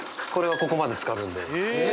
ここまでつかるんで。